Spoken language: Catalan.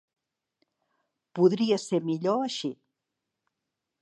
Podria ser millor així.